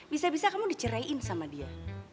bisa bisa kamu diceraiin sama dia